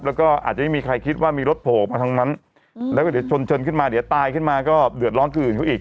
แล้วก็อาจจะไม่มีใครคิดว่ามีรถโผล่มาทั้งนั้นแล้วก็เดี๋ยวชนเชิญขึ้นมาเดี๋ยวตายขึ้นมาก็เดือดร้อนคืออื่นเขาอีก